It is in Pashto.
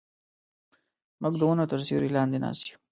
موږ د ونو تر سیوري لاندې ناست یو.